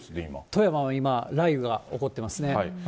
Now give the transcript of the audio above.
富山は今、雷雨が起こってますね。